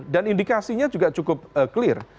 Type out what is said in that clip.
dan indikasinya juga cukup clear